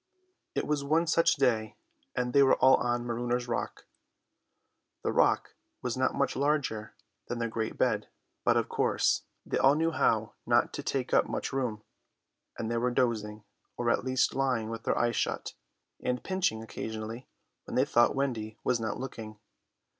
It was one such day, and they were all on Marooners' Rock. The rock was not much larger than their great bed, but of course they all knew how not to take up much room, and they were dozing, or at least lying with their eyes shut, and pinching occasionally when they thought Wendy was not looking.